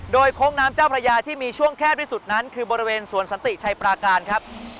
โดยโค้งน้ำเจ้าพระยาที่มีช่วงแคบที่สุดนั้นคือบริเวณสวนสันติชัยปราการครับ